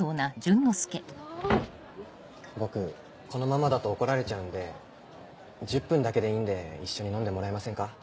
僕このままだと怒られちゃうんで１０分だけでいいんで一緒に飲んでもらえませんか？